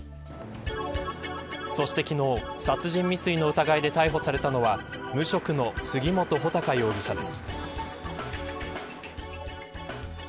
そして、昨日、殺人未遂の疑いで逮捕されたのは無職の杉本武尊容疑者です。